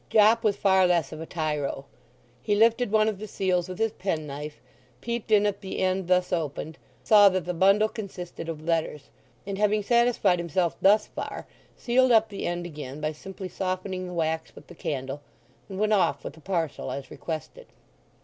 Jopp was far less of a tyro; he lifted one of the seals with his penknife, peeped in at the end thus opened, saw that the bundle consisted of letters; and, having satisfied himself thus far, sealed up the end again by simply softening the wax with the candle, and went off with the parcel as requested.